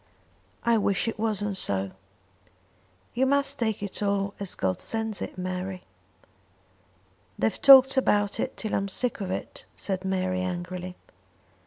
"I wish it wasn't so." "You must take it all as God sends it, Mary." "They've talked about it till I'm sick of it," said Mary angrily.